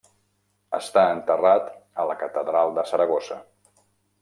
Està enterrat a la catedral de Saragossa.